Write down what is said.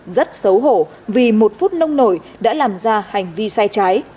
rất xấu hổ vì một phút nông nổi đã làm ra hành vi sai trái